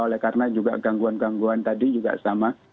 oleh karena juga gangguan gangguan tadi juga sama